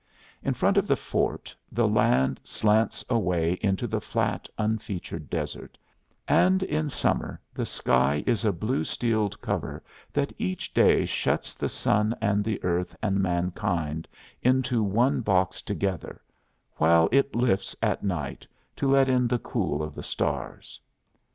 In front of the fort the land slants away into the flat unfeatured desert, and in summer the sky is a blue steel covet that each day shuts the sun and the earth and mankind into one box together, while it lifts at night to let in the cool of the stars.